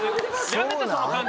やめてその感じ。